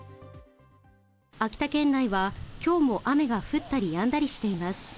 秋田県内はきょうも雨が降ったりやんだりしています。